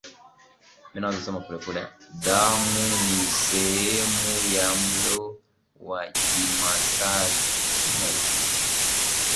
Damu ni sehemu ya mlo wa kimasai